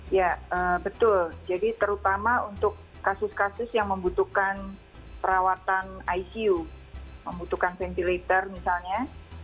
ya betul jadi terutama untuk kasus kasus yang membutuhkan perawatan icu membutuhkan ventilator misalnya